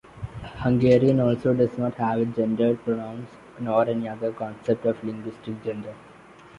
Hungarian also does not have gendered pronouns nor any other concept of linguistic gender.